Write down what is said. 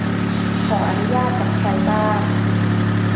ขออนุญาตกับใครบ้าง